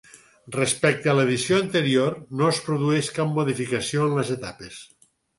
Respecte a l'edició anterior no es produeix cap modificació en les etapes.